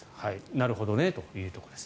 なるほどねというところです。